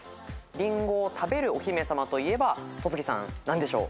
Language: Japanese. リンゴを食べるお姫さまといえば戸次さん何でしょう？